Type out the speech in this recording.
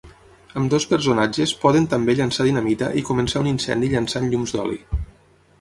Ambdós personatges poden també llançar dinamita i començar un incendi llançant llums d'oli.